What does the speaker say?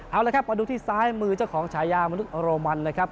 เอาละครับมาดูที่ซ้ายมือเจ้าของฉายามนุษยโรมันนะครับ